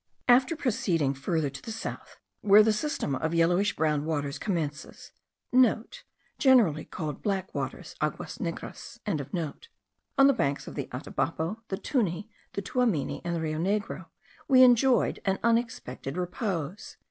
After proceeding further to the south, where the system of yellowish brown waters commences,* (* Generally called black waters, aguas negras.) on the banks of the Atabapo, the Tuni, the Tuamini, and the Rio Negro, we enjoyed an unexpected repose.